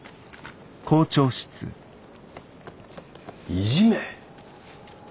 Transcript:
いじめ？